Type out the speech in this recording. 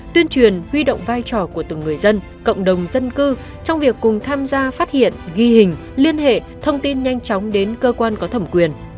tuyên truyền huy động vai trò của từng người dân cộng đồng dân cư trong việc cùng tham gia phát hiện ghi hình liên hệ thông tin nhanh chóng đến cơ quan có thẩm quyền